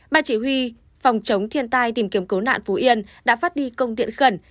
ban chỉ huy phòng chống thiên tai tìm kiếm cứu nạn phú yên đã phát đi công điện khẩn